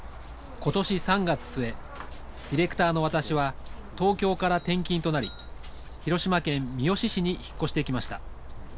今年３月末ディレクターの私は東京から転勤となり広島県三次市に引っ越してきました。